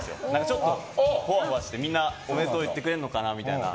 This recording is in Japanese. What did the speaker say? ちょっとほわほわしてみんなおめでとう言ってくれるのかなみたいな。